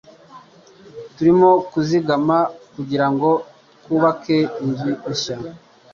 Turimo kuzigama kugirango twubake inzu nshya.